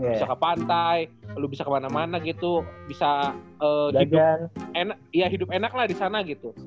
bisa ke pantai lu bisa kemana mana gitu bisa hidup enak lah disana gitu